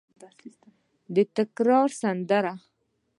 د تکرار سندره